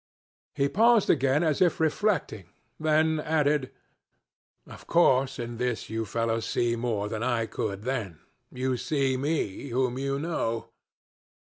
..." He paused again as if reflecting, then added "Of course in this you fellows see more than I could then. You see me, whom you know.